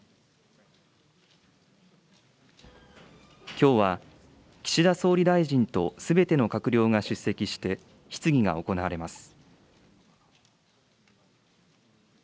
きょうは、岸田総理大臣とすべての閣僚が出席して質疑が行われます。